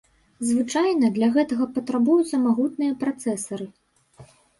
Звычайна для гэтага патрабуюцца магутныя працэсары.